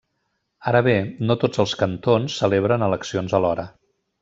Ara bé, no tots els cantons celebren eleccions alhora.